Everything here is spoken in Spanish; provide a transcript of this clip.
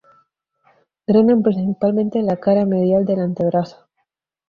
Drenan principalmente la cara medial del antebrazo.